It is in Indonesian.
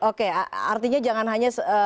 oke artinya jangan hanya